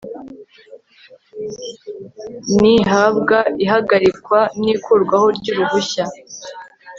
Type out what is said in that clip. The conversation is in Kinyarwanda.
n ihabwa ihagarikwa n ikurwaho ry uruhushya